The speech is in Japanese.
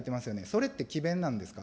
それって、詭弁なんですか。